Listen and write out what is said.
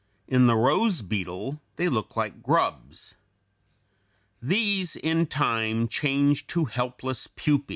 In the rose beetle they look like grubs. These in time change to helpless pupæ.